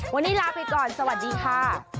วันนี้ลาไปก่อนสวัสดีค่ะ